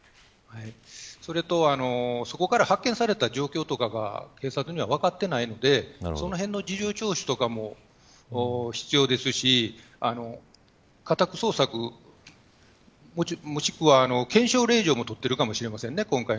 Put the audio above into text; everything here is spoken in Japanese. それと、そこから発見された状況とかが警察には分かっていないのでそのへんの事情聴取とかも必要ですし家宅捜索をもしくは検証令状も取ってるかもしれません。